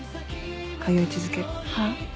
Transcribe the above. はい。